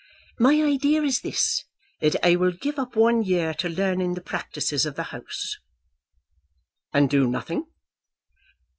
"My idea is this, that I will give up one year to learning the practices of the House." "And do nothing?"